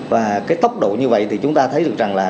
và cái tốc độ như vậy thì chúng ta thấy được rằng là